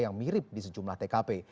yang mirip di sejumlah tkp